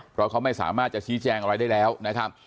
เพราะเขาไม่สามารถจะชี้แจงอะไรได้แล้วนะครับ